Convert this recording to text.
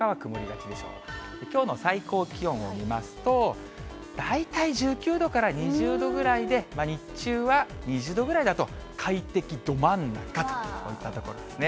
きょうの最高気温を見ますと、大体１９度から２０度ぐらいで、日中は２０度ぐらいだと、快適ど真ん中といったところですね。